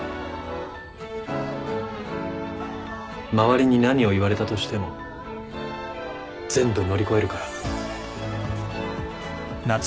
周りに何を言われたとしても全部乗り越えるから。